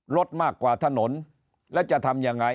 รถมากกว่าถนนแล้วจะทำยังไง